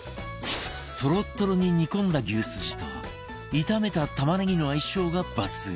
トロットロに煮込んだ牛すじと炒めた玉ねぎの相性が抜群